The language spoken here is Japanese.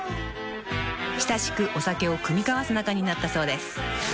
［親しくお酒を酌み交わす仲になったそうです］